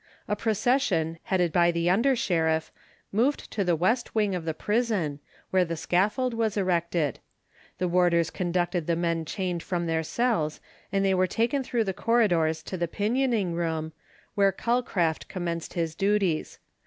A procession, headed by the under sheriff, moved to the west wing of the prison, where the scaffold was erected. The warders conducted the men chained from their cells, and they were taken through the corridors to the pinioning room, where Calcraft commenced his duties.